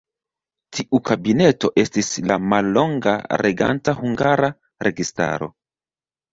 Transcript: Tiu kabineto estis la mallonga reganta hungara registaro.